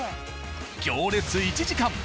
行列１時間。